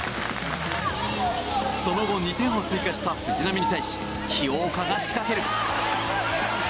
その後、２点を追加した藤波に対し清岡が仕掛ける！